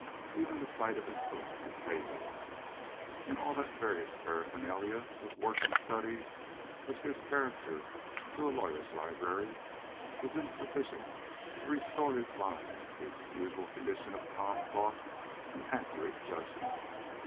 Even the sight of his books, his papers, and all that various paraphernalia of work and study which gives character to a lawyer's library, was insufficient to restore his mind to its usual condition of calm thought and accurate judgment.